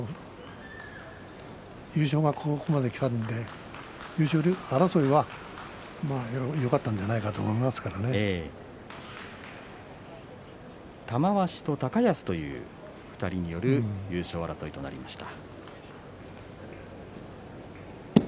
優勝がここまできたので優勝争いはまあよかったんじゃないか玉鷲と高安という２人による優勝争いとなりました。